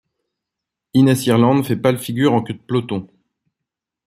Innes Ireland fait pâle figure en queue de peloton.